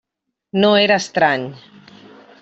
No era estrany.